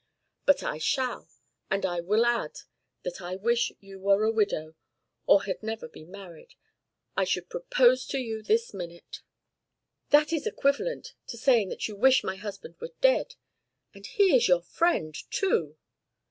"But I shall, and I will add that I wish you were a widow, or had never been married. I should propose to you this minute." "That is equivalent to saying that you wish my husband were dead. And he is your friend, too!"